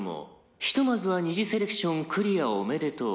「ひとまずは二次セレクションクリアおめでとう」